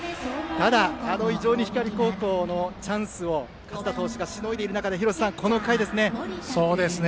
ただ、非常に光高校のチャンスを勝田投手がしのぐ中で廣瀬さん、この回ですね。